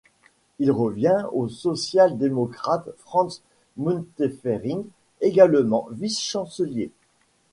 Il revient au social-démocrate Franz Müntefering, également vice-chancelier.